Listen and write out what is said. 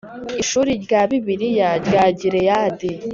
Ishuri rya Bibiliya rya Gileyadi